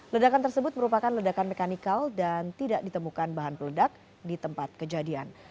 ledakan tersebut merupakan ledakan mekanikal dan tidak ditemukan bahan peledak di tempat kejadian